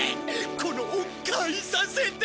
この恩返させて！